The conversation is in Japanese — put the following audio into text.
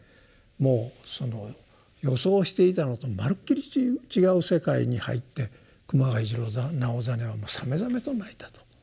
もうその予想していたのとまるっきり違う世界に入って熊谷次郎直実はさめざめと泣いたと。